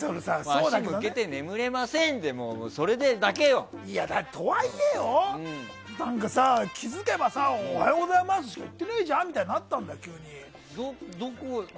足向けて眠れませんでそれだけよ！とはいえよ、気づけばさおはようございますしか言ってないじゃん？みたいになったんだよ。